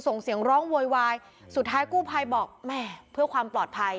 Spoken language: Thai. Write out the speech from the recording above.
ส่งเสียงร้องโวยวายสุดท้ายกู้ภัยบอกแม่เพื่อความปลอดภัย